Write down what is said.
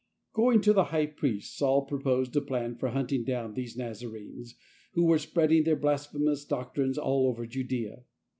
Going to the High Priest, Saul proposed a plan for hunting down these Nazarenes, who were spreading their blasphemous doctrines all over Judea.